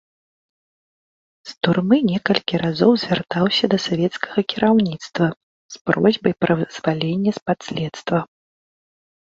З турмы некалькі разоў звяртаўся да савецкага кіраўніцтва з просьбай пра вызвалення з-пад следства.